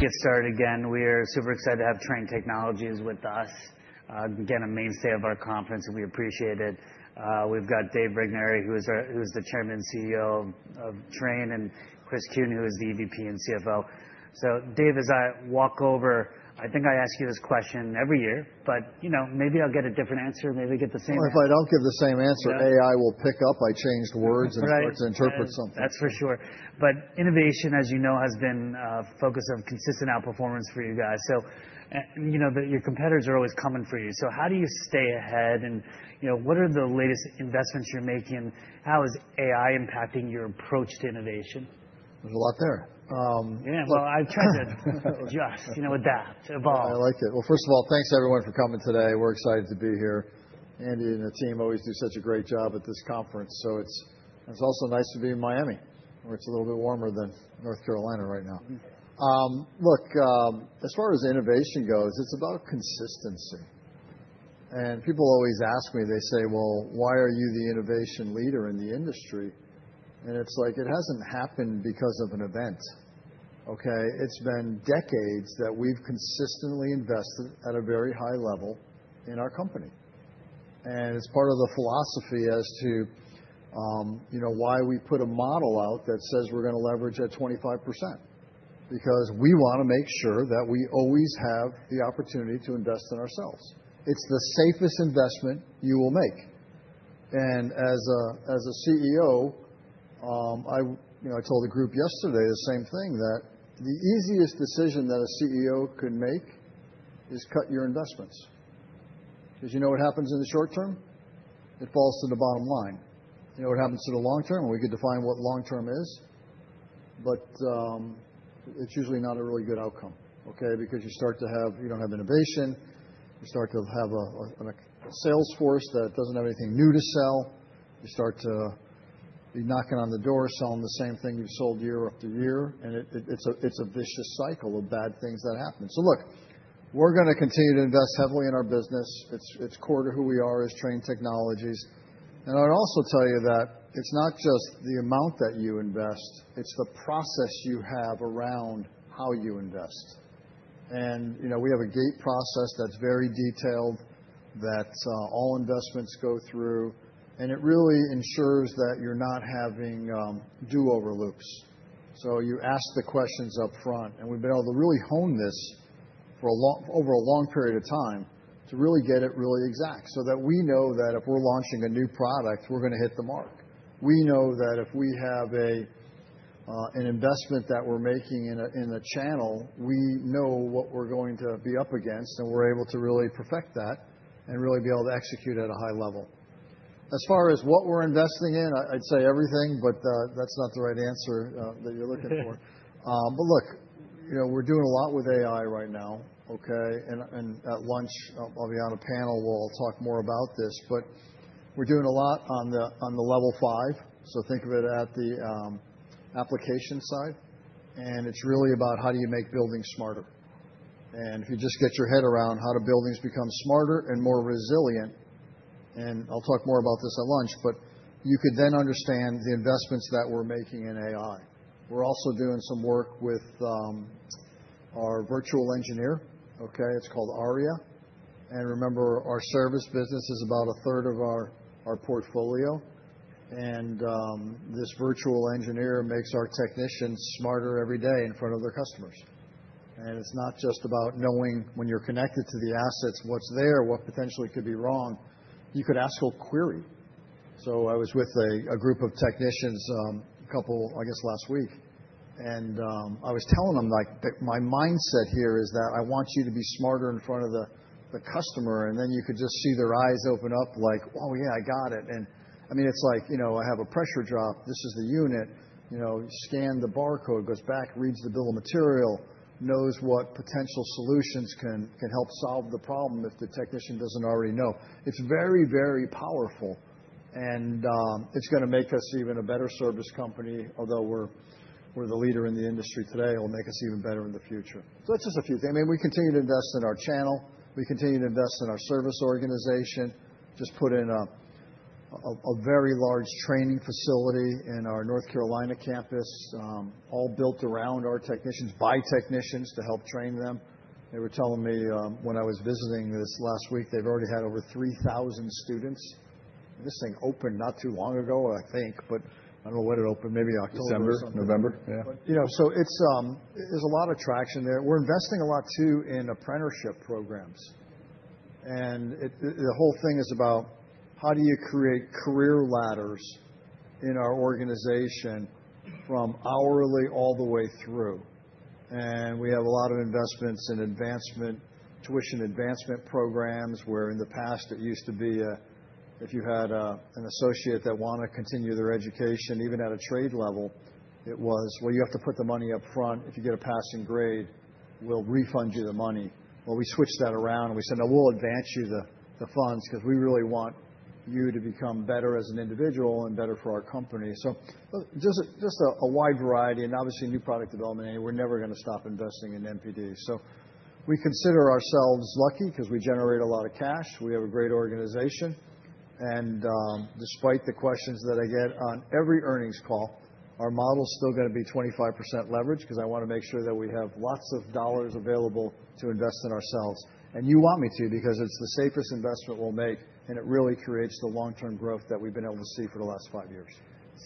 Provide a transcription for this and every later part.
Get started again. We're super excited to have Trane Technologies with us. Again, a mainstay of our conference, and we appreciate it. We've got Dave Regnery, who is the Chairman and CEO of Trane, and Chris Kuehn, who is the EVP and CFO. So Dave, as I walk over, I think I ask you this question every year, but, you know, maybe I'll get a different answer, maybe get the same answer. Well, if I don't give the same answer, AI will pick up I changed words- Right and start to interpret something. That's for sure. But innovation, as you know, has been a focus of consistent outperformance for you guys. So, you know, but your competitors are always coming for you. So how do you stay ahead, and, you know, what are the latest investments you're making? How is AI impacting your approach to innovation? There's a lot there. Yeah. Well, I've tried to adjust, you know, adapt, evolve. I like it. Well, first of all, thanks, everyone, for coming today. We're excited to be here. Andy and the team always do such a great job at this conference, so it's also nice to be in Miami, where it's a little bit warmer than North Carolina right now. Look, as far as innovation goes, it's about consistency. And people always ask me, they say: Well, why are you the innovation leader in the industry? And it's like, it hasn't happened because of an event, okay? It's been decades that we've consistently invested at a very high level in our company. And it's part of the philosophy as to, you know, why we put a model out that says we're gonna leverage at 25%, because we wanna make sure that we always have the opportunity to invest in ourselves. It's the safest investment you will make. And as a CEO, you know, I told the group yesterday the same thing, that the easiest decision that a CEO can make is cut your investments. Because you know what happens in the short term? It falls to the bottom line. You know what happens to the long term? We could define what long term is, but it's usually not a really good outcome, okay? Because you start to have... You don't have innovation. You start to have a sales force that doesn't have anything new to sell. You start to be knocking on the door, selling the same thing you've sold year after year, and it's a vicious cycle of bad things that happen. So look, we're gonna continue to invest heavily in our business. It's core to who we are as Trane Technologies. I'd also tell you that it's not just the amount that you invest, it's the process you have around how you invest. You know, we have a gate process that's very detailed, that all investments go through, and it really ensures that you're not having do-over loops. So you ask the questions up front, and we've been able to really hone this over a long period of time, to really get it really exact, so that we know that if we're launching a new product, we're gonna hit the mark. We know that if we have an investment that we're making in a channel, we know what we're going to be up against, and we're able to really perfect that and really be able to execute at a high level. As far as what we're investing in, I'd say everything, but that's not the right answer that you're looking for. But look, you know, we're doing a lot with AI right now, okay? And at lunch, I'll be on a panel, we'll talk more about this, but we're doing a lot on the Level 5. So think of it at the application side, and it's really about how do you make buildings smarter? And if you just get your head around how do buildings become smarter and more resilient, and I'll talk more about this at lunch, but you could then understand the investments that we're making in AI. We're also doing some work with our virtual engineer, okay? It's called Aria. And remember, our service business is about a third of our portfolio, and this virtual engineer makes our technicians smarter every day in front of their customers. And it's not just about knowing when you're connected to the assets, what's there, what potentially could be wrong. You could ask a query. So I was with a group of technicians, a couple, I guess, last week, and I was telling them, like: "My mindset here is that I want you to be smarter in front of the customer." And then you could just see their eyes open up like, "Oh, yeah, I got it." And, I mean, it's like, you know, I have a pressure drop. This is the unit. You know, scan the barcode, goes back, reads the bill of material, knows what potential solutions can help solve the problem if the technician doesn't already know. It's very, very powerful, and it's gonna make us even a better service company, although we're the leader in the industry today, it'll make us even better in the future. So that's just a few things. I mean, we continue to invest in our channel. We continue to invest in our service organization. Just put in a very large training facility in our North Carolina campus, all built around our technicians, by technicians to help train them. They were telling me, when I was visiting this last week, they've already had over 3,000 students. This thing opened not too long ago, I think, but I don't know when it opened, maybe October. December, November. Yeah. You know, so it's, there's a lot of traction there. We're investing a lot, too, in apprenticeship programs, and it, the whole thing is about how do you create career ladders in our organization from hourly all the way through. And we have a lot of investments in advancement, tuition advancement programs, where in the past it used to be, if you had an associate that wanted to continue their education, even at a trade level, it was, "Well, you have to put the money up front. If you get a passing grade, we'll refund you the money." Well, we switched that around, and we said: "No, we'll advance you the funds, because we really want you to become better as an individual and better for our company." So just a wide variety and obviously new product development, and we're never gonna stop investing in NPD. So we consider ourselves lucky because we generate a lot of cash. We have a great organization... and, despite the questions that I get on every earnings call, our model's still gonna be 25% leverage, 'cause I wanna make sure that we have lots of dollars available to invest in ourselves. And you want me to, because it's the safest investment we'll make, and it really creates the long-term growth that we've been able to see for the last five years.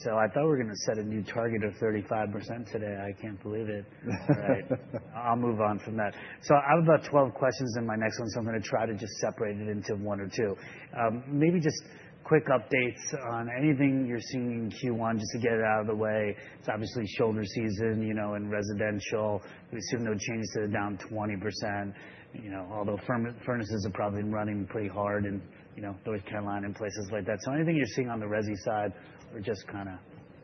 So I thought we were gonna set a new target of 35% today. I can't believe it. All right, I'll move on from that. So I have about 12 questions in my next one, so I'm gonna try to just separate it into one or two. Maybe just quick updates on anything you're seeing in Q1, just to get it out of the way. It's obviously shoulder season, you know, in residential. We assume no change to the down 20%, you know, although furnaces are probably running pretty hard in, you know, North Carolina and places like that. So anything you're seeing on the resi side, or just kinda?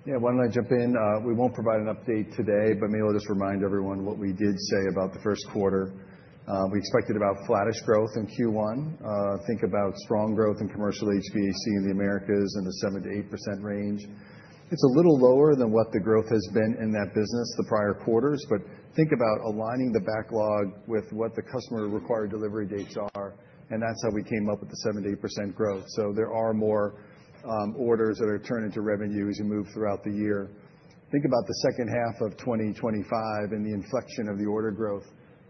Yeah, why don't I jump in? We won't provide an update today, but maybe I'll just remind everyone what we did say about the Q1. We expected about flattish growth in Q1. Think about strong growth in commercial HVAC in the Americas in the 7%-8% range. It's a little lower than what the growth has been in that business the prior quarters, but think about aligning the backlog with what the customer required delivery dates are, and that's how we came up with the 7%-8% growth. So there are more orders that are turned into revenue as you move throughout the year. Think about the second half of 2025 and the inflection of the order growth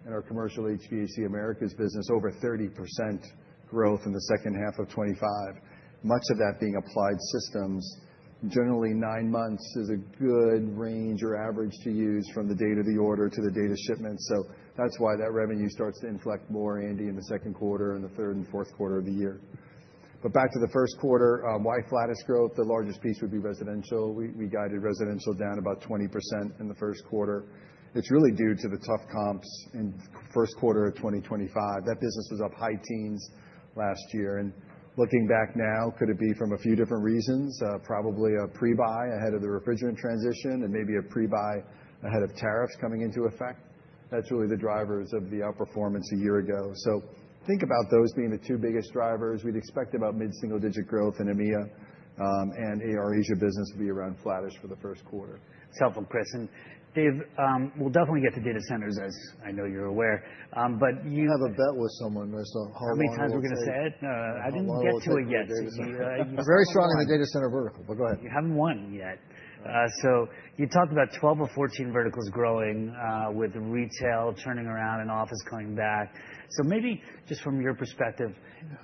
in our commercial HVAC Americas business, over 30% growth in the second half of 2025, much of that being applied systems. Generally, nine months is a good range or average to use from the date of the order to the date of shipment, so that's why that revenue starts to inflect more, Andy, in the Q2 and the third and Q4 of the year. But back to the Q1, why flattish growth? The largest piece would be residential. We, we guided residential down about 20% in the Q1. It's really due to the tough comps in the Q1 of 2025. That business was up high teens last year, and looking back now, could it be from a few different reasons? Probably a pre-buy ahead of the refrigerant transition and maybe a pre-buy ahead of tariffs coming into effect. That's really the drivers of the outperformance a year ago. So think about those being the two biggest drivers. We'd expect about mid-single-digit growth in EMEA, and our Asia business will be around flattish for the Q1. Follow-up question. Dave, we'll definitely get to data centers, as I know you're aware, but- You have a bet with someone, there's a- How many times are we gonna say it? I didn't get to it yet, so you- I'm very strong on the data center vertical, but go ahead. You haven't won yet. So you talked about 12 or 14 verticals growing, with retail turning around and office coming back. So maybe just from your perspective,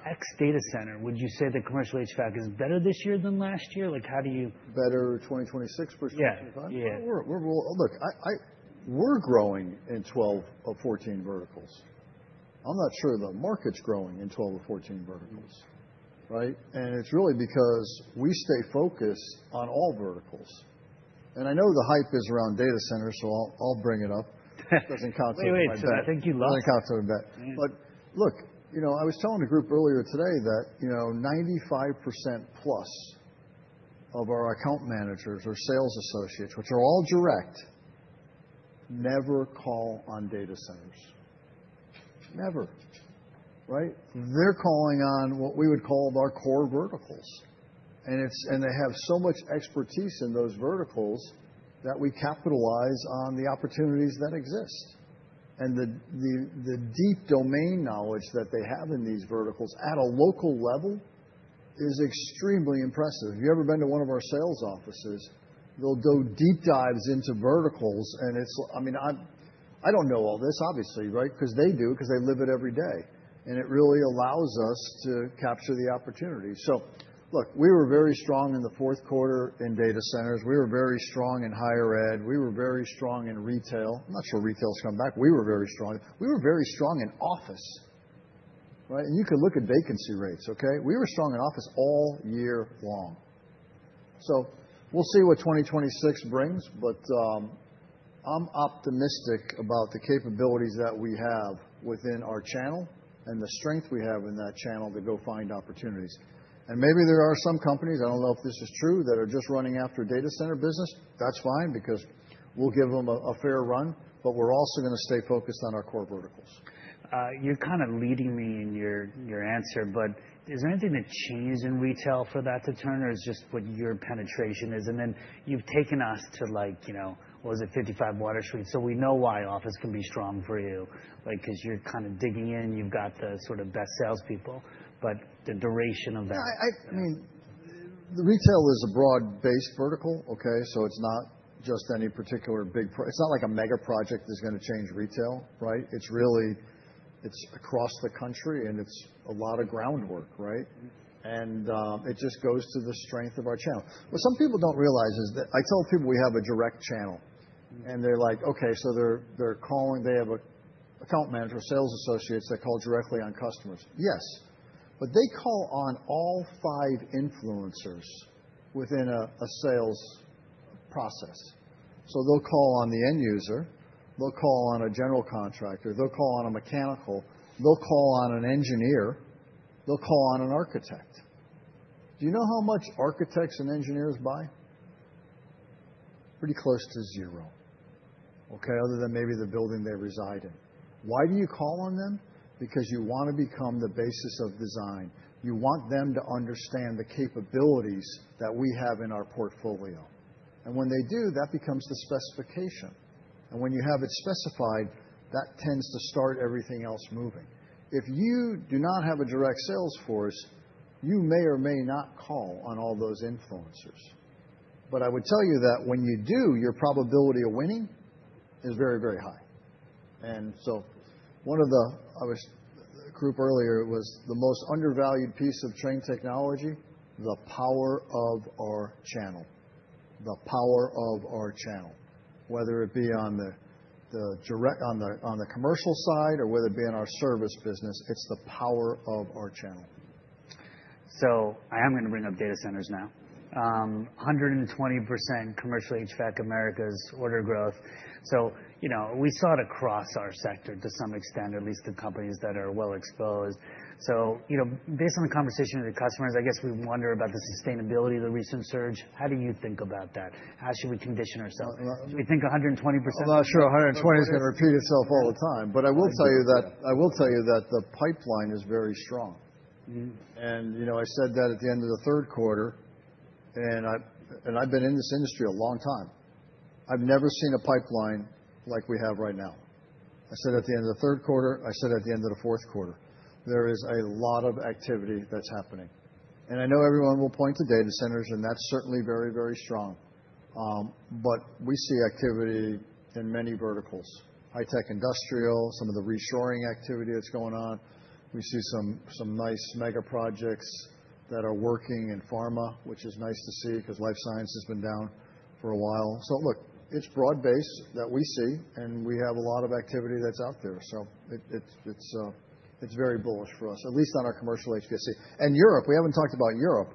ex data center, would you say that commercial HVAC is better this year than last year? Like, how do you- Better '26? Yeah. Yeah. Look, we're growing in 12 or 14 verticals. I'm not sure the market's growing in 12 or 14 verticals, right? And it's really because we stay focused on all verticals. And I know the hype is around data centers, so I'll bring it up. Just in case I think you lost. I think I got to that. But look, you know, I was telling the group earlier today that, you know, 95%+ of our account managers or sales associates, which are all direct, never call on data centers. Never, right? They're calling on what we would call our core verticals, and it's, and they have so much expertise in those verticals that we capitalize on the opportunities that exist. And the deep domain knowledge that they have in these verticals at a local level is extremely impressive. If you've ever been to one of our sales offices, they'll go deep dives into verticals, and it's. I mean, I don't know all this, obviously, right? 'Cause they do, 'cause they live it every day, and it really allows us to capture the opportunity. So, look, we were very strong in the Q4 in data centers. We were very strong in higher ed. We were very strong in retail. I'm not sure retail's come back. We were very strong. We were very strong in office, right? And you could look at vacancy rates, okay? We were strong in office all year long. So we'll see what 2026 brings, but, I'm optimistic about the capabilities that we have within our channel and the strength we have in that channel to go find opportunities. Maybe there are some companies, I don't know if this is true, that are just running after data center business. That's fine, because we'll give them a fair run, but we're also gonna stay focused on our core verticals. You're kind of leading me in your, your answer, but is there anything that changes in retail for that to turn, or is just what your penetration is? And then you've taken us to like, you know, what was it, 55 Water Street. So we know why office can be strong for you. Like, 'cause you're kind of digging in, you've got the sort of best salespeople, but the duration of that- Yeah, I mean, the retail is a broad-based vertical, okay? So it's not just any particular big project—it's not like a mega project that's gonna change retail, right? It's really across the country, and it's a lot of groundwork, right? And it just goes to the strength of our channel. What some people don't realize is that I tell people we have a direct channel, and they're like: Okay, so they're calling, they have an account manager or sales associates that call directly on customers. Yes, but they call on all five influencers within a sales process. So they'll call on the end user, they'll call on a general contractor, they'll call on a mechanical, they'll call on an engineer, they'll call on an architect. Do you know how much architects and engineers buy? Pretty close to zero. Okay, other than maybe the building they reside in. Why do you call on them? Because you want to become the Basis of Design. You want them to understand the capabilities that we have in our portfolio, and when they do, that becomes the specification. And when you have it specified, that tends to start everything else moving. If you do not have a direct sales force, you may or may not call on all those influencers. But I would tell you that when you do, your probability of winning is very, very high. And so one of the group earlier was the most undervalued piece of Trane Technologies, the power of our channel. The power of our channel, whether it be on the direct on the commercial side, or whether it be in our service business, it's the power of our channel. So I am going to bring up data centers now. 120% commercial HVAC Americas order growth. So, you know, we saw it across our sector to some extent, at least the companies that are well exposed. So, you know, based on the conversation with the customers, I guess we wonder about the sustainability of the recent surge. How do you think about that? How should we condition ourselves? We think 120%- I'm not sure 120 is going to repeat itself all the time, but I will tell you that, I will tell you that the pipeline is very strong. You know, I said that at the end of the Q3, and I, and I've been in this industry a long time. I've never seen a pipeline like we have right now. I said at the end of the Q3, I said at the end of the Q4, there is a lot of activity that's happening. And I know everyone will point to data centers, and that's certainly very, very strong. But we see activity in many verticals, high tech, industrial, some of the reshoring activity that's going on. We see some nice mega projects that are working in pharma, which is nice to see, because life science has been down for a while. Look, it's broad-based that we see, and we have a lot of activity that's out there. So it's very bullish for us, at least on our commercial HVAC. And Europe, we haven't talked about Europe,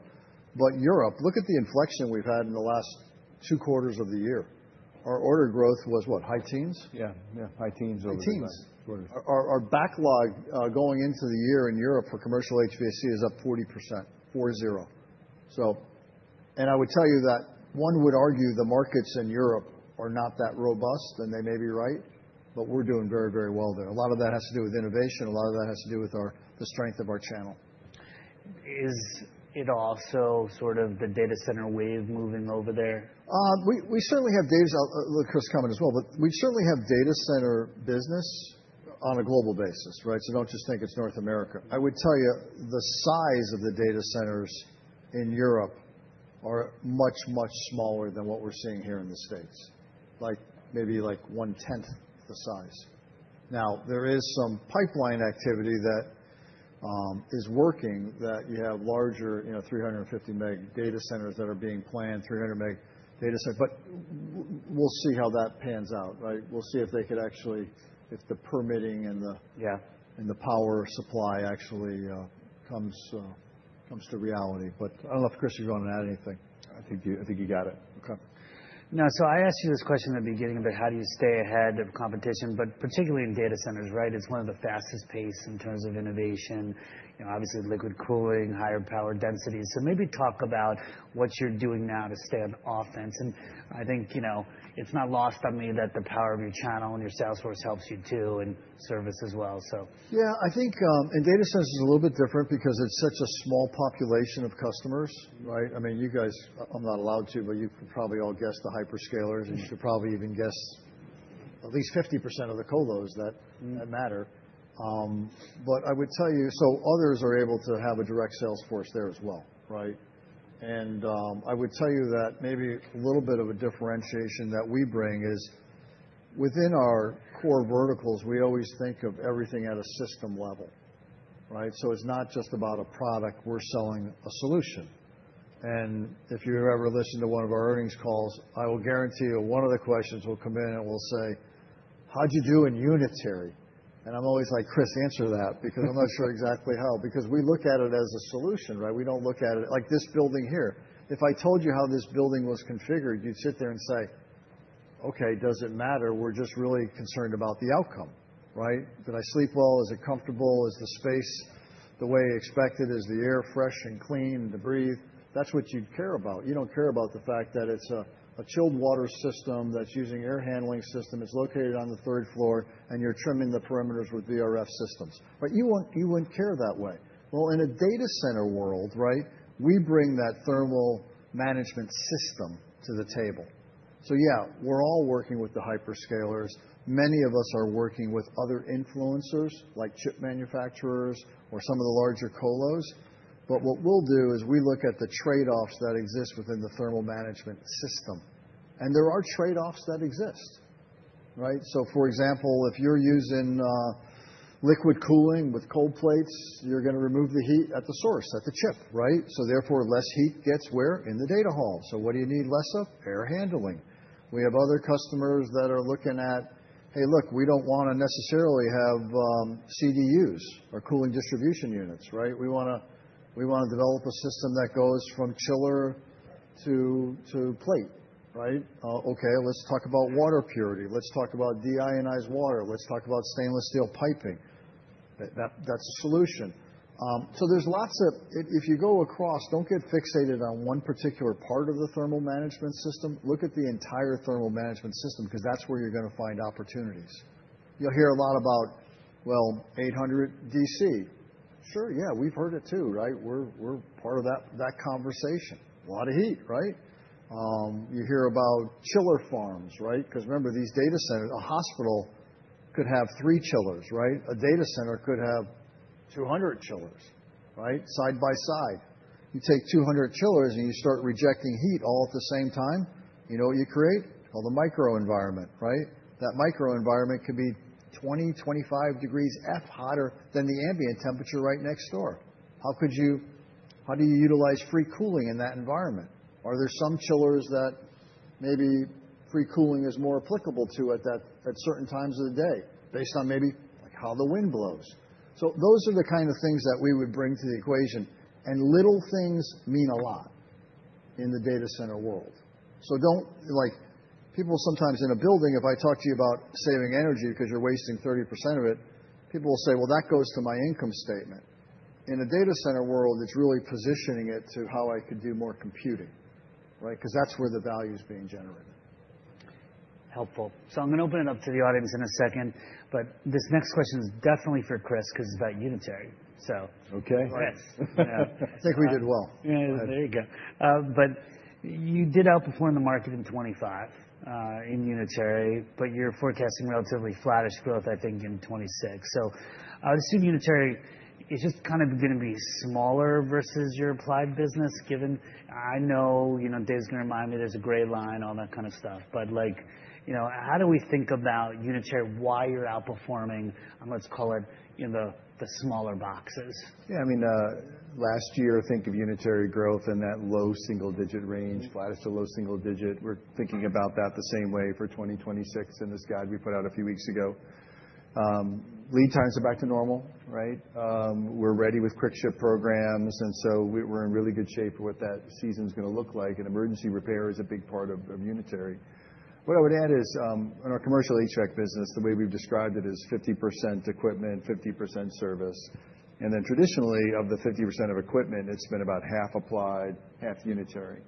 but Europe, look at the inflection we've had in the last two quarters of the year. Our order growth was what? High teens? Yeah. Yeah, high teens over- High teens. Our backlog going into the year in Europe for commercial HVAC is up 40%, 40. So. And I would tell you that one would argue the markets in Europe are not that robust, and they may be right, but we're doing very, very well there. A lot of that has to do with innovation. A lot of that has to do with the strength of our channel. Is it also sort of the data center wave moving over there? We certainly have data center business on a global basis, right? So don't just think it's North America. I would tell you, the size of the data centers in Europe are much, much smaller than what we're seeing here in the States, like, maybe like one tenth the size. Now, there is some pipeline activity that is working, that you have larger, you know, 350-meg data centers that are being planned, 300-meg data centers. But we'll see how that pans out, right? We'll see if they could actually, if the permitting and the- Yeah... and the power supply actually comes to reality. But I don't know if, Chris, you want to add anything. I think you got it. Okay. Now, so I asked you this question in the beginning about how do you stay ahead of competition, but particularly in data centers, right? It's one of the fastest paced in terms of innovation, you know, obviously, liquid cooling, higher power density. So maybe talk about what you're doing now to stay on offense. And I think, you know, it's not lost on me that the power of your channel and your sales force helps you, too, and service as well, so. Yeah, I think, and data center is a little bit different because it's such a small population of customers, right? I mean, you guys, I'm not allowed to, but you can probably all guess the hyperscalers, and you should probably even guess at least 50% of the colos that matter. But I would tell you, so others are able to have a direct sales force there as well, right? And, I would tell you that maybe a little bit of a differentiation that we bring is within our core verticals, we always think of everything at a system level, right? So it's not just about a product, we're selling a solution. And if you've ever listened to one of our earnings calls, I will guarantee you one of the questions will come in, and we'll say: How'd you do in unitary? And I'm always like, "Chris, answer that," because I'm not sure exactly how. Because we look at it as a solution, right? We don't look at it... Like this building here. If I told you how this building was configured, you'd sit there and say, "Okay, does it matter? We're just really concerned about the outcome," right? Did I sleep well? Is it comfortable? Is the space the way I expected? Is the air fresh and clean to breathe? That's what you'd care about. You don't care about the fact that it's a chilled water system that's using air handling system, it's located on the third floor, and you're trimming the perimeters with VRF systems. But you wouldn't care that way. Well, in a data center world, right, we bring that thermal management system to the table. So yeah, we're all working with the hyperscalers. Many of us are working with other influencers, like chip manufacturers or some of the larger colos. But what we'll do is we look at the trade-offs that exist within the thermal management system, and there are trade-offs that exist, right? So, for example, if you're using liquid cooling with cold plates, you're going to remove the heat at the source, at the chip, right? So therefore, less heat gets where? In the data hall. So what do you need less of? Air handling. We have other customers that are looking at, "Hey, look, we don't want to necessarily have CDUs or cooling distribution units," right? "We wanna, we wanna develop a system that goes from chiller to, to plate," right? Okay, let's talk about water purity. Let's talk about deionized water. Let's talk about stainless steel piping. That, that's a solution. So there's lots of... If you go across, don't get fixated on one particular part of the thermal management system. Look at the entire thermal management system, because that's where you're going to find opportunities. You'll hear a lot about, well, H100s.... Sure, yeah, we've heard it, too, right? We're part of that conversation. A lot of heat, right? You hear about chiller farms, right? Because remember, these data centers, a hospital could have 3 chillers, right? A data center could have 200 chillers, right? Side by side. You take 200 chillers, and you start rejecting heat all at the same time, you know what you create? Called a microenvironment, right? That microenvironment could be 20-25 degrees Fahrenheit hotter than the ambient temperature right next door. How could you? How do you utilize free cooling in that environment? Are there some chillers that maybe free cooling is more applicable to at certain times of the day, based on maybe how the wind blows? So those are the kind of things that we would bring to the equation. Little things mean a lot in the data center world. So, like, people sometimes in a building, if I talk to you about saving energy because you're wasting 30% of it, people will say, "Well, that goes to my income statement." In the data center world, it's really positioning it to how I could do more computing, right? Because that's where the value is being generated. Helpful. So I'm gonna open it up to the audience in a second, but this next question is definitely for Chris, because it's about unitary. So- Okay. Chris. I think we did well. Yeah, there you go. But you did outperform the market in 2025, in unitary, but you're forecasting relatively flattish growth, I think, in 2026. So, unitary is just kind of gonna be smaller versus your applied business, given... I know, you know, Dave's gonna remind me there's a gray line, all that kind of stuff. But like, you know, how do we think about unitary, why you're outperforming, and let's call it in the, the smaller boxes? Yeah, I mean, last year, think of unitary growth in that low single-digit range, flat to low single digit. We're thinking about that the same way for 2026 in this guide we put out a few weeks ago. Lead times are back to normal, right? We're ready with quick ship programs, and so we're in really good shape for what that season's gonna look like, and emergency repair is a big part of unitary. What I would add is, in our commercial HVAC business, the way we've described it, is 50% equipment, 50% service. And then traditionally, of the 50% of equipment, it's been about half applied, half unitary.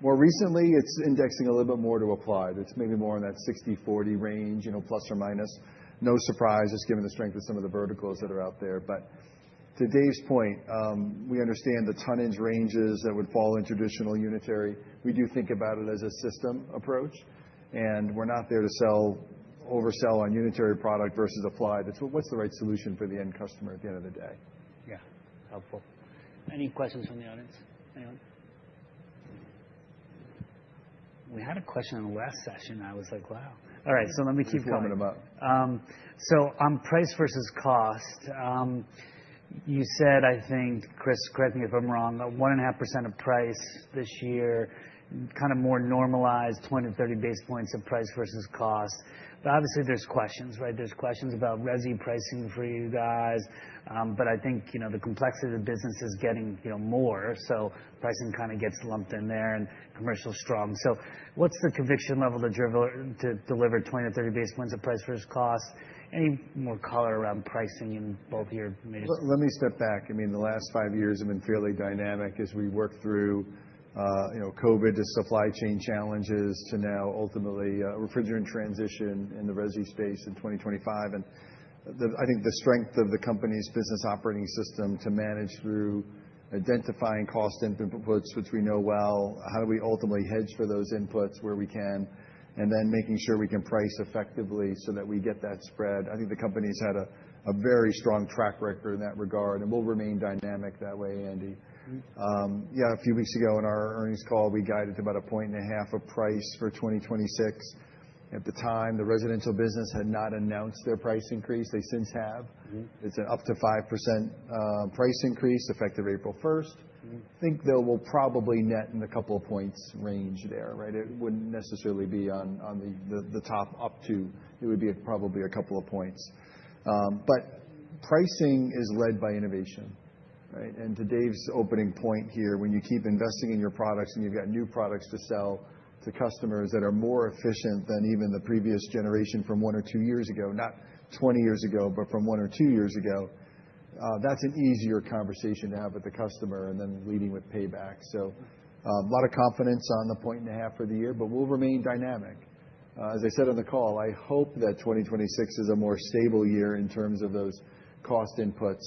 More recently, it's indexing a little bit more to applied. It's maybe more in that 60/40 range, you know, plus or minus. No surprise, just given the strength of some of the verticals that are out there. But to Dave's point, we understand the tonnage ranges that would fall in traditional unitary. We do think about it as a system approach, and we're not there to sell, oversell on unitary product versus applied. It's, what's the right solution for the end customer at the end of the day? Yeah. Helpful. Any questions from the audience? Anyone? We had a question in the last session. I was like, "Wow!" All right, so let me keep going. Coming about. So on price versus cost, you said, I think, Chris, correct me if I'm wrong, that 1.5% of price this year, kind of more normalized, 20-30 basis points of price versus cost. But obviously, there's questions, right? There's questions about resi pricing for you guys. But I think, you know, the complexity of the business is getting, you know, more, so pricing kind of gets lumped in there and commercial is strong. So what's the conviction level to deliver 20-30 basis points of price versus cost? Any more color around pricing in both your main- Let me step back. I mean, the last five years have been fairly dynamic as we work through, you know, COVID to supply chain challenges, to now ultimately, refrigerant transition in the resi space in 2025. And the, I think, the strength of the company's Business Operating System to manage through identifying cost inputs, which we know well, how do we ultimately hedge for those inputs where we can, and then making sure we can price effectively so that we get that spread. I think the company's had a, a very strong track record in that regard and will remain dynamic that way, Andy. A few weeks ago, in our earnings call, we guided about 1.5 points of price for 2026. At the time, the residential business had not announced their price increase. They since have. It's an up to 5% price increase, effective April first. Think they will probably net in a couple of points range there, right? It wouldn't necessarily be on the top up to. It would be probably a couple of points. But pricing is led by innovation, right? And to Dave's opening point here, when you keep investing in your products, and you've got new products to sell to customers that are more efficient than even the previous generation from 1 or 2 years ago, not 20 years ago, but from 1 or 2 years ago, that's an easier conversation to have with the customer and then leading with payback. So, a lot of confidence on the 1.5 points for the year, but we'll remain dynamic. As I said on the call, I hope that 2026 is a more stable year in terms of those cost inputs,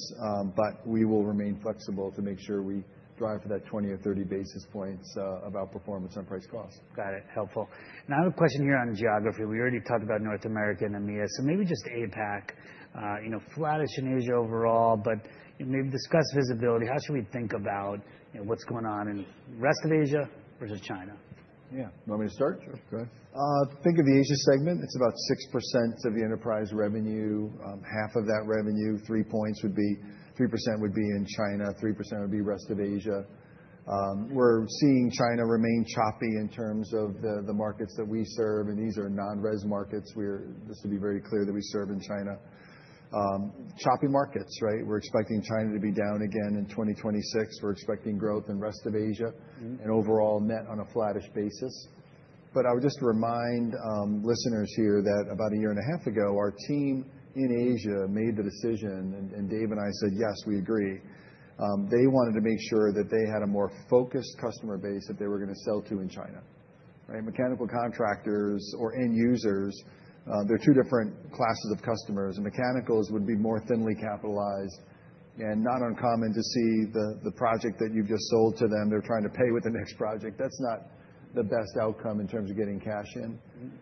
but we will remain flexible to make sure we drive for that 20 or 30 basis points of outperformance on price cost. Got it. Helpful. Now, I have a question here on geography. We already talked about North America and EMEA, so maybe just APAC. You know, flattish in Asia overall, but, you know, discuss visibility. How should we think about, you know, what's going on in rest of Asia versus China? Yeah. You want me to start? Sure. Go ahead. Think of the Asia segment, it's about 6% of the enterprise revenue. Half of that revenue, 3% would be in China, 3% would be rest of Asia. We're seeing China remain choppy in terms of the markets that we serve, and these are non-res markets. We're just to be very clear, that we serve in China. Choppy markets, right? We're expecting China to be down again in 2026. We're expecting growth in rest of Asia- and overall net on a flattish basis. But I would just remind listeners here that about a year and a half ago, our team in Asia made the decision, and Dave and I said, "Yes, we agree." They wanted to make sure that they had a more focused customer base that they were gonna sell to in China, right? Mechanical contractors or end users, they're two different classes of customers, and mechanicals would be more thinly capitalized, and not uncommon to see the project that you've just sold to them, they're trying to pay with the next project. That's not the best outcome in terms of getting cash in.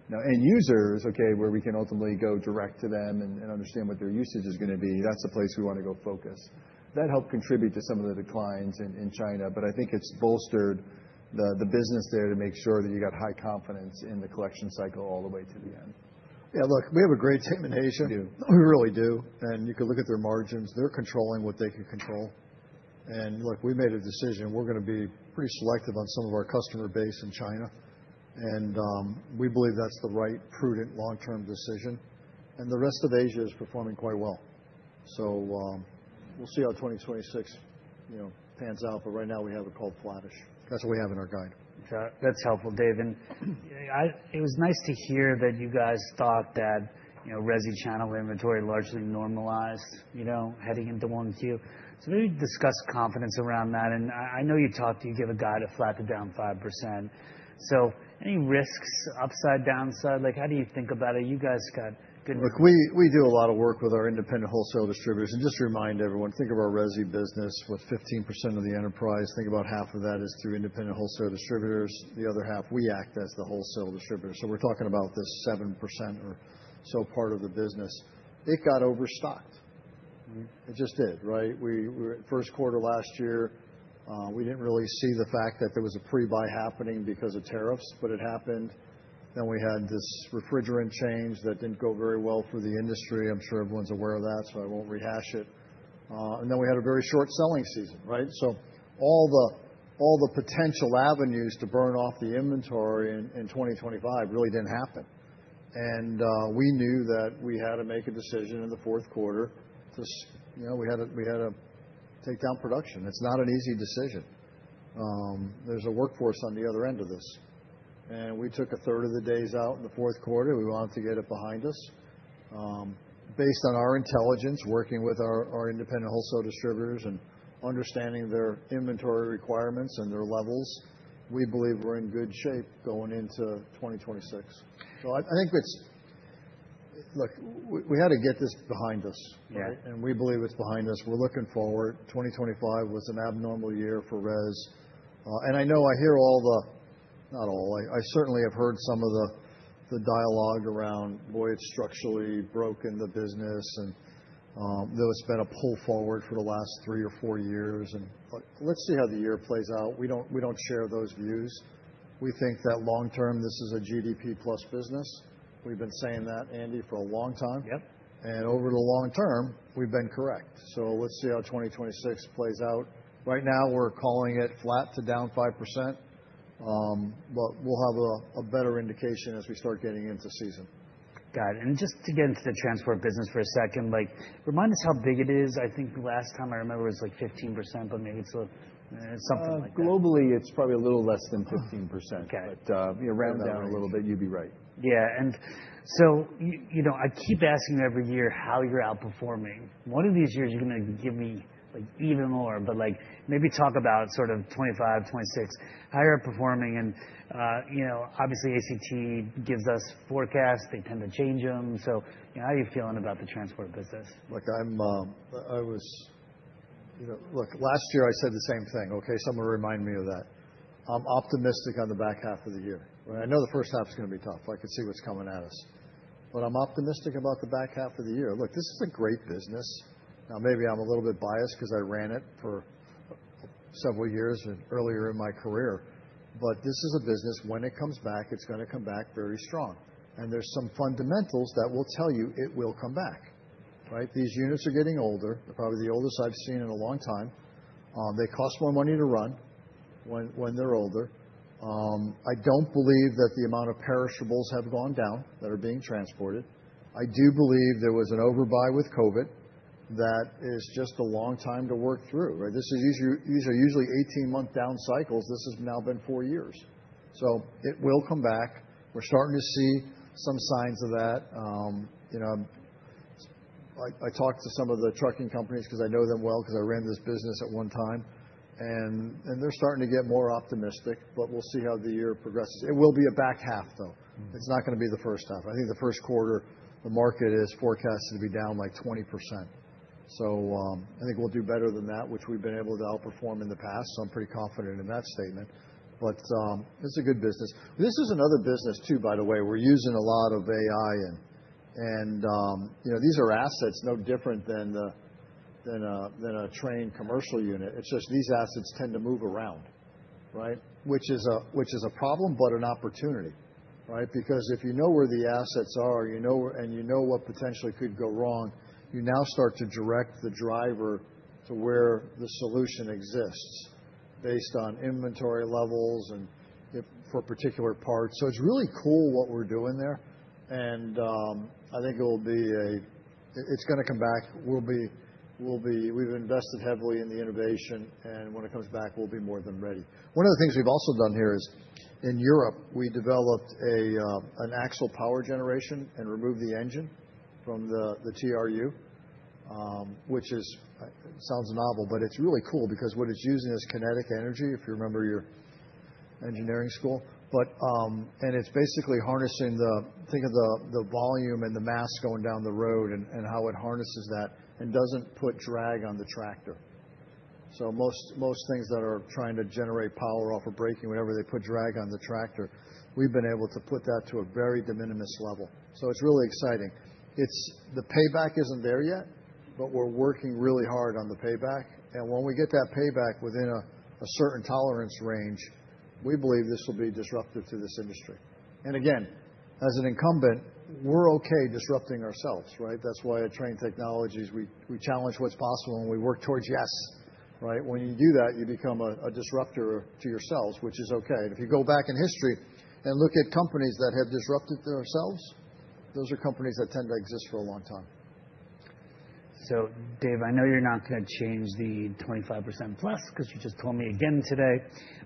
Now, end users, okay, where we can ultimately go direct to them and understand what their usage is gonna be, that's the place we wanna go focus. That helped contribute to some of the declines in China, but I think it's bolstered the business there to make sure that you got high confidence in the collection cycle all the way to the end. Yeah, look, we have a great team in Asia. We do. We really do. You can look at their margins. They're controlling what they can control. Look, we made a decision. We're gonna be pretty selective on some of our customer base in China, and we believe that's the right, prudent, long-term decision, and the rest of Asia is performing quite well. We'll see how 2026, you know, pans out, but right now we have it called flattish. That's what we have in our guide. Got it. That's helpful, Dave. And it was nice to hear that you guys thought that, you know, resi channel inventory largely normalized, you know, heading into 1Q. So maybe discuss confidence around that. And I know you talked, you gave a guide of flat to down 5%, so any risks, upside, downside? Like, how do you think about it? You guys got good- Look, we do a lot of work with our independent wholesale distributors. And just to remind everyone, think of our resi business with 15% of the enterprise. Think about half of that is through independent wholesale distributors. The other half, we act as the wholesale distributor, so we're talking about this 7% or so part of the business. It got overstocked. It just did, right? We were at Q1 of last year, we didn't really see the fact that there was a pre-buy happening because of tariffs, but it happened. Then we had this refrigerant change that didn't go very well for the industry. I'm sure everyone's aware of that, so I won't rehash it. And then we had a very short selling season, right? So all the potential avenues to burn off the inventory in 2025 really didn't happen. And we knew that we had to make a decision in the Q4. 'Cause, you know, we had to take down production. It's not an easy decision. There's a workforce on the other end of this, and we took a third of the days out in the Q4. We wanted to get it behind us. Based on our intelligence, working with our independent wholesale distributors and understanding their inventory requirements and their levels, we believe we're in good shape going into 2026. So I think it's... Look, we had to get this behind us. Yeah. And we believe it's behind us. We're looking forward. 2025 was an abnormal year for res. And I know I hear all the, not all, I, I certainly have heard some of the, the dialogue around, boy, it's structurally broken, the business, and, that it's been a pull forward for the last three or four years, and. But let's see how the year plays out. We don't, we don't share those views. We think that long term, this is a GDP-plus business. We've been saying that, Andy, for a long time. Yep. Over the long term, we've been correct. So let's see how 2026 plays out. Right now we're calling it flat to down 5%, but we'll have a better indication as we start getting into season. Got it. And just to get into the transport business for a second, like, remind us how big it is. I think last time I remember, it was, like, 15%, but maybe it's something like that. Globally, it's probably a little less than 15%. Okay. But, you round down a little bit, you'd be right. Yeah, and so you know, I keep asking every year how you're outperforming. One of these years, you're gonna give me, like, even more, but, like, maybe talk about sort of 25, 26, how you're performing and, you know, obviously, ACT gives us forecasts. They tend to change them. So, you know, how are you feeling about the transport business? Look, last year I said the same thing, okay? Someone remind me of that. I'm optimistic on the back half of the year. I know the first half is gonna be tough. I can see what's coming at us, but I'm optimistic about the back half of the year. Look, this is a great business. Now, maybe I'm a little bit biased because I ran it for several years earlier in my career, but this is a business, when it comes back, it's gonna come back very strong. And there's some fundamentals that will tell you it will come back, right? These units are getting older, probably the oldest I've seen in a long time. They cost more money to run when they're older. I don't believe that the amount of perishables have gone down that are being transported. I do believe there was an overbuy with COVID that is just a long time to work through, right? This is usually, these are usually 18-month down cycles. This has now been 4 years, so it will come back. We're starting to see some signs of that. You know, I talked to some of the trucking companies, 'cause I know them well, 'cause I ran this business at one time. And they're starting to get more optimistic, but we'll see how the year progresses. It will be a back half, though. It's not gonna be the first half. I think the Q1, the market is forecasted to be down, like, 20%. So, I think we'll do better than that, which we've been able to outperform in the past, so I'm pretty confident in that statement. But, it's a good business. This is another business, too, by the way, we're using a lot of AI in. And you know, these are assets no different than a Trane commercial unit. It's just these assets tend to move around, right? Which is a problem, but an opportunity, right? Because if you know where the assets are, you know where and you know what potentially could go wrong, you now start to direct the driver to where the solution exists based on inventory levels and if for particular parts. So it's really cool what we're doing there, and I think it will be a. It's gonna come back. We'll be—we've invested heavily in the innovation, and when it comes back, we'll be more than ready. One of the things we've also done here is, in Europe, we developed an AxlePower generation and removed the engine from the TRU, which sounds novel, but it's really cool because what it's using is kinetic energy, if you remember your engineering school. But and it's basically harnessing the, think of the volume and the mass going down the road and how it harnesses that and doesn't put drag on the tractor. So most things that are trying to generate power off of braking, whenever they put drag on the tractor, we've been able to put that to a very de minimis level. So it's really exciting. It's the payback isn't there yet, but we're working really hard on the payback. When we get that payback within a certain tolerance range, we believe this will be disruptive to this industry. Again, as an incumbent, we're okay disrupting ourselves, right? That's why at Trane Technologies, we challenge what's possible, and we work towards yes, right? When you do that, you become a disruptor to yourselves, which is okay. If you go back in history and look at companies that have disrupted themselves, those are companies that tend to exist for a long time. So Dave, I know you're not going to change the 25%+, because you just told me again today,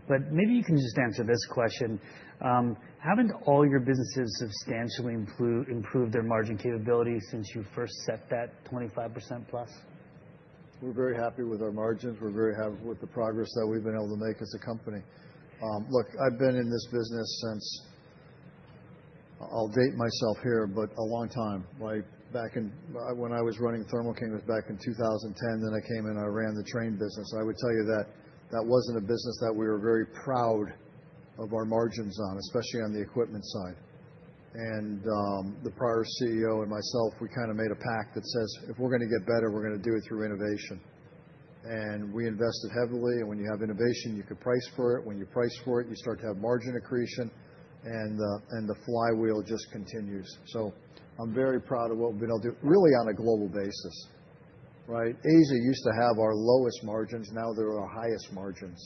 but maybe you can just answer this question: Haven't all your businesses substantially improved their margin capabilities since you first set that 25%+? We're very happy with our margins. We're very happy with the progress that we've been able to make as a company. Look, I've been in this business since... I'll date myself here, but a long time. Way back in, when I was running Thermo King, it was back in 2010, then I came, and I ran the Trane business. I would tell you that that wasn't a business that we were very proud of our margins on, especially on the equipment side. And, the prior CEO and myself, we kind of made a pact that says, "If we're going to get better, we're going to do it through innovation." And we invested heavily, and when you have innovation, you can price for it. When you price for it, you start to have margin accretion, and the flywheel just continues. I'm very proud of what we've been able to do, really, on a global basis, right? Asia used to have our lowest margins, now they're our highest margins,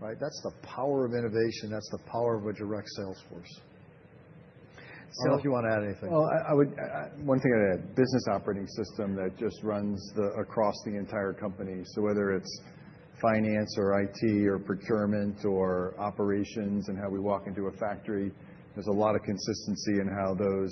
right? That's the power of innovation. That's the power of a direct sales force. I don't know if you want to add anything. Well, I would, one thing I'd add, Business Operating System that just runs the, across the entire company. So whether it's finance or IT or procurement or operations and how we walk into a factory, there's a lot of consistency in how those,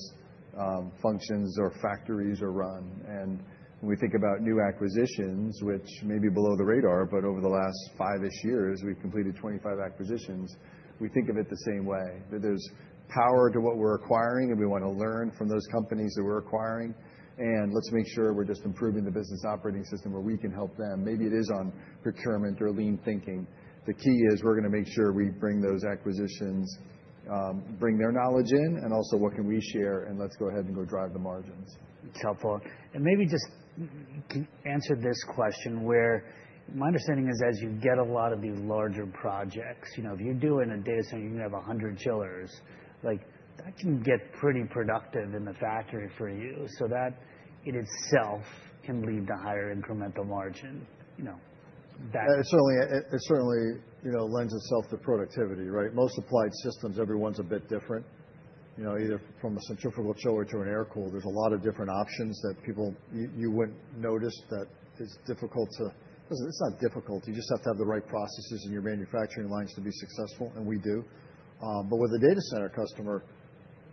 functions or factories are run. And when we think about new acquisitions, which may be below the radar, but over the last 5-ish years, we've completed 25 acquisitions, we think of it the same way. That there's power to what we're acquiring, and we want to learn from those companies that we're acquiring, and let's make sure we're just improving the Business Operating System where we can help them. Maybe it is on procurement or lean thinking. The key is we're going to make sure we bring those acquisitions, bring their knowledge in, and also what can we share, and let's go ahead and go drive the margins. It's helpful. Maybe just answer this question, where my understanding is as you get a lot of these larger projects, you know, if you do it in a data center, you have 100 chillers, like, that can get pretty productive in the factory for you, so that in itself can lead to higher incremental margin. You know, that- It certainly, you know, lends itself to productivity, right? Most applied systems, everyone's a bit different, you know, either from a centrifugal chiller to an air cooler. There's a lot of different options that people wouldn't notice that it's difficult to... It's not difficult. You just have to have the right processes in your manufacturing lines to be successful, and we do. But with a data center customer,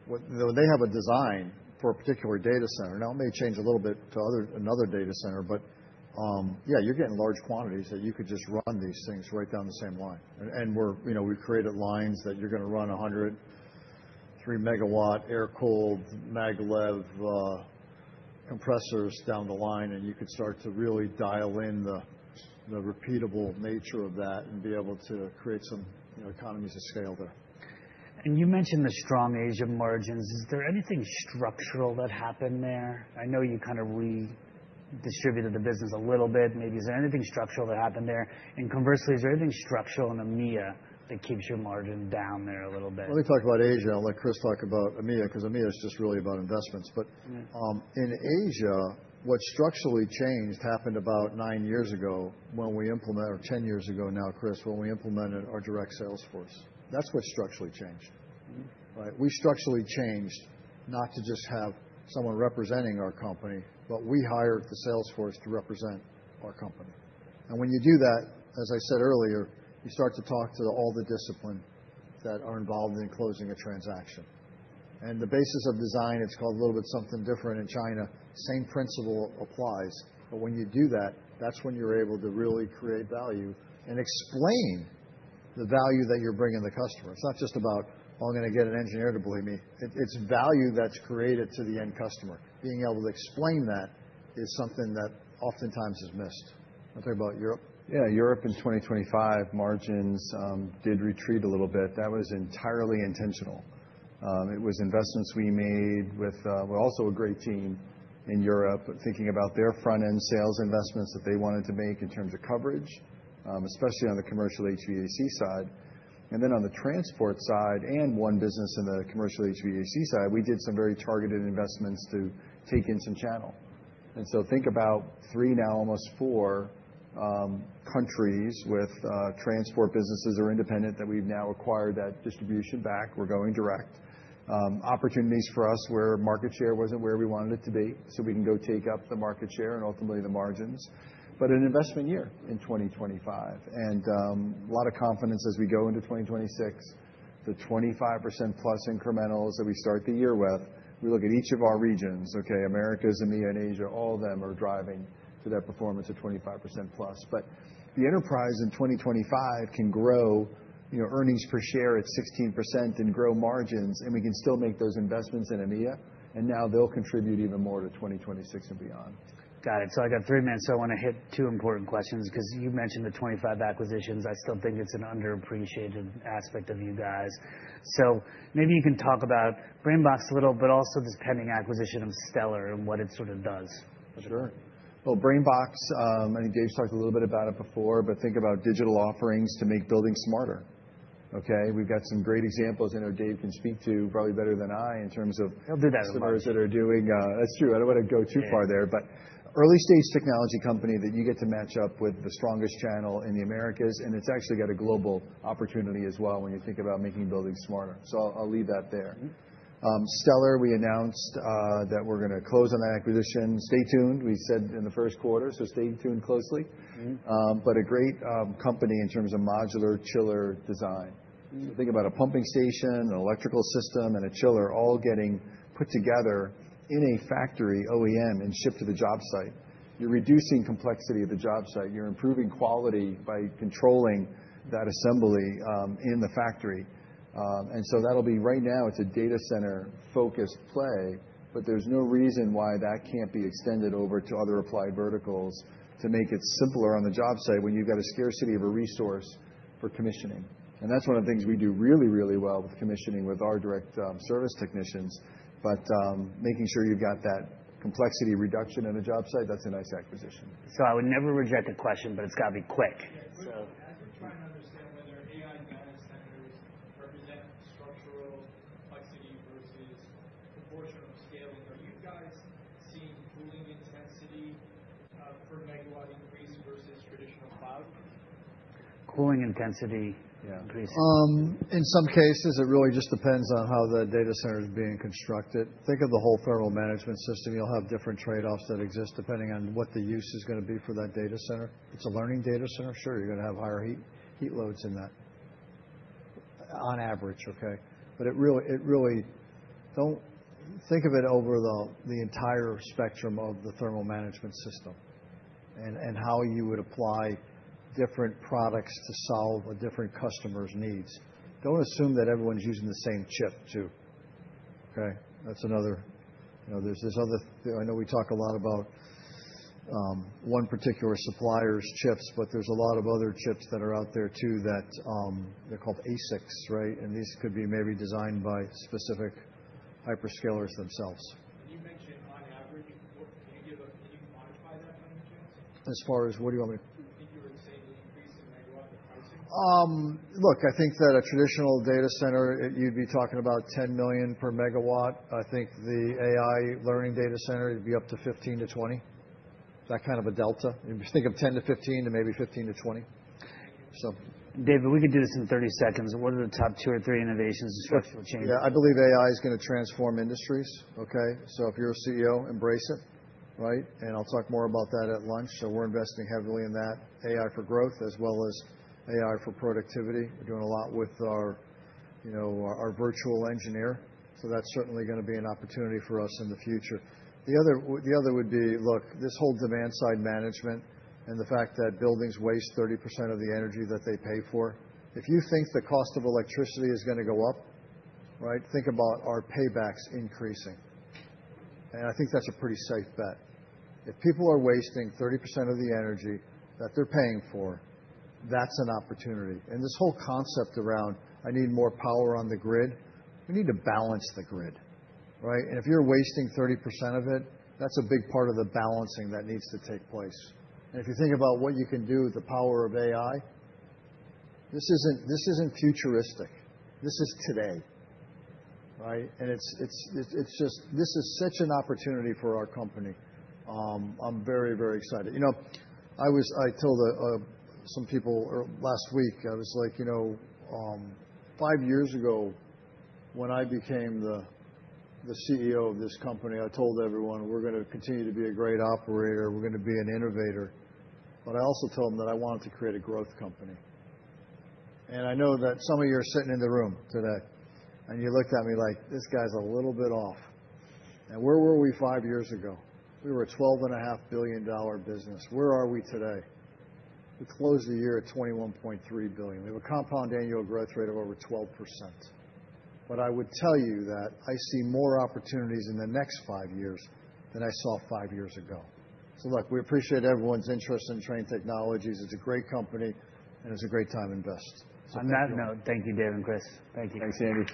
they have a design for a particular data center. Now, it may change a little bit to another data center, but yeah, you're getting large quantities that you could just run these things right down the same line. And we're, you know, we've created lines that you're going to run 100, 3-megawatt, air-cooled, Maglev compressors down the line, and you could start to really dial in the repeatable nature of that and be able to create some, you know, economies of scale there. You mentioned the strong Asia margins. Is there anything structural that happened there? I know you kind of redistributed the business a little bit. Maybe is there anything structural that happened there? And conversely, is there anything structural in EMEA that keeps your margin down there a little bit? Let me talk about Asia, and I'll let Chris talk about EMEA, because EMEA is just really about investments. Mm-hmm. But, in Asia, what structurally changed happened about nine years ago when we implemented, or 10 years ago now, Chris, when we implemented our direct sales force. That's what structurally changed. Right? We structurally changed not to just have someone representing our company, but we hired the sales force to represent our company. And when you do that, as I said earlier, you start to talk to all the discipline that are involved in closing a transaction. And the Basis of Design, it's called a little bit something different in China, same principle applies. But when you do that, that's when you're able to really create value and explain the value that you're bringing the customer. It's not just about, "I'm going to get an engineer to believe me." It, it's value that's created to the end customer. Being able to explain that is something that oftentimes is missed. Want to talk about Europe? Yeah. Europe in 2025, margins did retreat a little bit. That was entirely intentional. It was investments we made with, also a great team in Europe, but thinking about their front-end sales investments that they wanted to make in terms of coverage, especially on the commercial HVAC side. And then on the transport side and one business in the commercial HVAC side, we did some very targeted investments to take in some channel. And so think about three, now almost four, countries with transport businesses that are independent, that we've now acquired that distribution back. We're going direct. Opportunities for us where market share wasn't where we wanted it to be, so we can go take up the market share and ultimately the margins, but an investment year in 2025. A lot of confidence as we go into 2026, the 25%+ incrementals that we start the year with, we look at each of our regions, okay? Americas, EMEA, and Asia, all of them are driving to that performance of 25%+. But the enterprise in 2025 can grow, you know, earnings per share at 16% and grow margins, and we can still make those investments in EMEA, and now they'll contribute even more to 2026 and beyond. Got it. So I got 3 minutes, so I wanna hit two important questions, 'cause you mentioned the 25 acquisitions. I still think it's an underappreciated aspect of you guys. So maybe you can talk about BrainBox a little, but also this pending acquisition of Stellar and what it sort of does. Sure. Well, BrainBox, I think Dave talked a little bit about it before, but think about digital offerings to make building smarter, okay? We've got some great examples in there Dave can speak to probably better than I in terms of- He'll do that in a moment. That's true. I don't wanna go too far there. Yeah. But early-stage technology company that you get to match up with the strongest channel in the Americas, and it's actually got a global opportunity as well when you think about making buildings smarter. So I'll, I'll leave that there. Stellar, we announced that we're gonna close on that acquisition. Stay tuned, we said, in the Q1, so stay tuned closely A great company in terms of modular chiller design. So think about a pumping station, an electrical system, and a chiller all getting put together in a factory, OEM, and shipped to the job site. You're reducing complexity at the job site. You're improving quality by controlling that assembly in the factory. And so that'll be. Right now, it's a data center-focused play, but there's no reason why that can't be extended over to other applied verticals to make it simpler on the job site when you've got a scarcity of a resource for commissioning. And that's one of the things we do really, really well with commissioning with our direct service technicians. But making sure you've got that complexity reduction on a job site, that's a nice acquisition. So I would never reject a question, but it's gotta be quick, so- Yeah. As we're trying to understand whether AI data centers represent structural complexity versus proportional scaling, are you guys seeing cooling intensity, per megawatt increase versus traditional cloud? Cooling intensity- Yeah. -increase. In some cases, it really just depends on how the data center is being constructed. Think of the whole thermal management system. You'll have different trade-offs that exist depending on what the use is gonna be for that data center. If it's a learning data center, sure, you're gonna have higher heat, heat loads in that, on average, okay? But it really... Think of it over the entire spectrum of the thermal management system, and how you would apply different products to solve a different customer's needs. Don't assume that everyone's using the same chip, too, okay? That's another... You know, there's this other, I know we talk a lot about one particular supplier's chips, but there's a lot of other chips that are out there, too, that they're called ASICs, right? These could be maybe designed by specific hyperscalers themselves. You mentioned, on average, can you give a... Can you quantify that change? As far as, what do you want me- Do you think you would see an increase in megawatt pricing? Look, I think that a traditional data center, you'd be talking about $10 million per megawatt. I think the AI learning data center, it'd be up to 15-20. That kind of a delta. Think of 10-15 to maybe 15-20, so. David, we can do this in 30 seconds. What are the top 2 or 3 innovations structural change? Yeah. I believe AI is gonna transform industries, okay? So if you're a CEO, embrace it, right? And I'll talk more about that at lunch. So we're investing heavily in that, AI for growth, as well as AI for productivity. We're doing a lot with our, you know, our virtual engineer, so that's certainly gonna be an opportunity for us in the future. The other, the other would be, look, this whole demand-side management and the fact that buildings waste 30% of the energy that they pay for. If you think the cost of electricity is gonna go up, right, think about our paybacks increasing. And I think that's a pretty safe bet. If people are wasting 30% of the energy that they're paying for, that's an opportunity. And this whole concept around, "I need more power on the grid," we need to balance the grid, right? And if you're wasting 30% of it, that's a big part of the balancing that needs to take place. And if you think about what you can do with the power of AI, this isn't futuristic. This is today, right? And it's just... This is such an opportunity for our company. I'm very, very excited. You know, I was—I told some people last week, I was like, "You know, five years ago, when I became the CEO of this company, I told everyone, we're gonna continue to be a great operator. We're gonna be an innovator. But I also told them that I wanted to create a growth company." And I know that some of you are sitting in the room today, and you looked at me like, "This guy's a little bit off." And where were we five years ago? We were a $12.5 billion business. Where are we today? We closed the year at $21.3 billion. We have a compound annual growth rate of over 12%. But I would tell you that I see more opportunities in the next five years than I saw five years ago. So look, we appreciate everyone's interest in Trane Technologies. It's a great company, and it's a great time to invest. On that note, thank you, Dave and Chris. Thank you. Thanks, Andy.